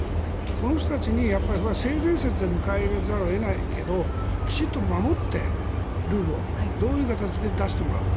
この人たちを性善説で迎え入れざるを得ないけどきちんとルールを守ってどういう形で出してもらうか。